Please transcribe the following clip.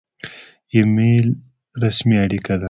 ایمیل رسمي اړیکه ده